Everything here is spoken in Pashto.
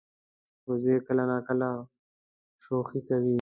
وزې کله ناکله شوخي کوي